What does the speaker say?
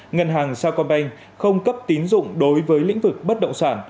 ngân hàng sacombank không cấp tín dụng đối với lĩnh vực bất động sản